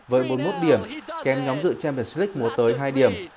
với bốn mươi một điểm kèm nhóm dự champions league mua tới hai điểm